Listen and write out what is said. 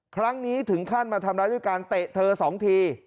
ครั้งนี้ถึงขั้นมาทำร้ายด้วยการเตะเธอ๒ที